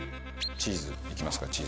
チーズいきますか？